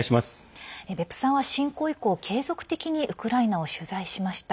別府さんは侵攻以降、継続的にウクライナを取材しました。